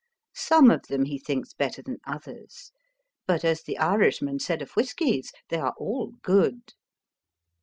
Some of them he thinks better than others ; but, as the Irishman said of whiskies, they are all good.